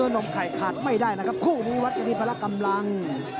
น้องไข่ขาดไม่ได้นะครับคู่รู้วัฒนีพระราชกำลัง